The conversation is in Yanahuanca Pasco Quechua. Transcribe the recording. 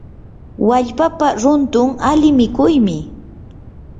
wallpapa runtun ali mikuymi.